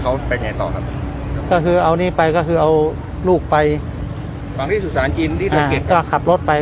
เห็นบอกว่าพอเขาเอาลูกไปฝั่งเสร็จแล้ว